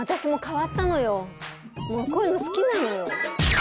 もうこういうの好きなのよ。